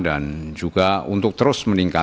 dan juga untuk terus mencapai kepentingan